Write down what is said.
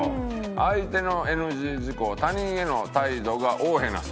「相手のＮＧ事項他人への態度が横柄な人」